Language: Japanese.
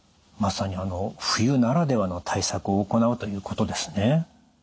まさに冬ならではの対策を行うということですね。